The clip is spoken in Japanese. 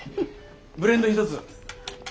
ブレンド１つ。